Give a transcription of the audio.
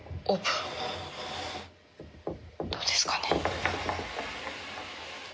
どうですかね。